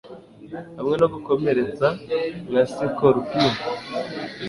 hamwe no gukomeretsa nka sikorupiyo